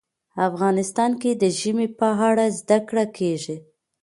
افغانستان کې د ژمی په اړه زده کړه کېږي.